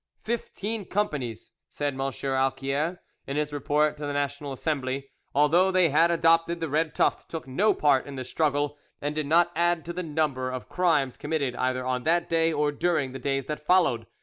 "Fifteen companies," said M. Alquier in his report to the National Assembly, "although they had adopted the red tuft, took no part in the struggle, and did not add to the number of crimes committed either on that day or during the days that followed.